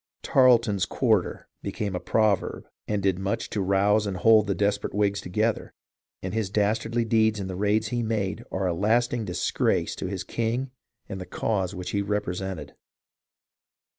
" Tarleton's quar ter" became a proverb and did much to rouse and hold the desperate Whigs together, and his dastardly deeds in the raids he made are a lasting disgrace to his king and the cause he represented.